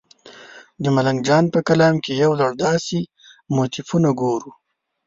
د ملنګ جان په کلام کې یو لړ داسې موتیفونه ګورو.